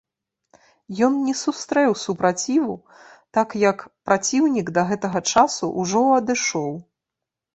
Ён не сустрэў супраціву, так як праціўнік да гэтага часу ўжо адышоў.